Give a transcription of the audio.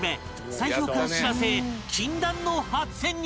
砕氷艦「しらせ」へ禁断の初潜入！